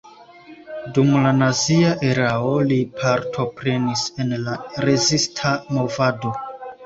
Dum la nazia erao li partoprenis en la rezista movado.